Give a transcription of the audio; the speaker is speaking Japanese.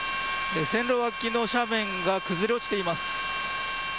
線路脇の斜面が崩れ落ちています。